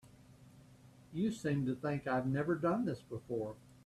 You seem to think I've never done this before.